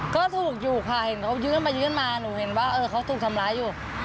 ก็ถูกอยู่ค่ะเห็นเขายื่นไปยื่นมาหนูเห็นว่าเขาถูกทำร้ายอยู่